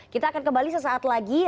kita akan kembali sesaat lagi